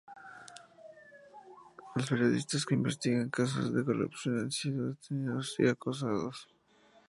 Los periodistas que investigan casos de corrupción han sido detenidos y acosados.